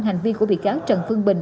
hành vi của bị cáo trần phương bình